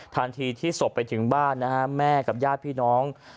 ทันทีที่ศพไปถึงบ้านนะฮะแม่กับญาติพี่น้อง